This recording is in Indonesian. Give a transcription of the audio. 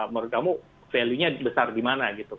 menurut kamu value nya besar di mana gitu